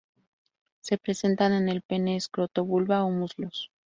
Se presentan en el pene, escroto, vulva o muslos.